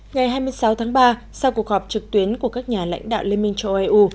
ngày hai mươi sáu tháng ba sau cuộc họp trực tuyến của các nhà lãnh đạo liên minh châu âu